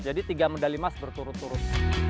jadi tiga medali emas berturut turut